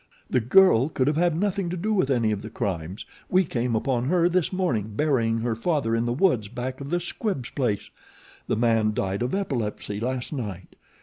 The girl could have had nothing to do with any of the crimes. We came upon her this morning burying her father in the woods back of the Squibbs' place. The man died of epilepsy last night.